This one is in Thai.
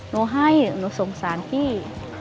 หนูให้หนูสงสารพี่